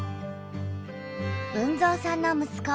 豊造さんの息子